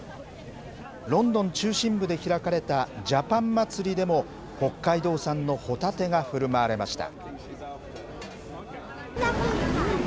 ロンドン中心部で開かれたジャパン祭りでも、北海道産のホタテがふるまわれました。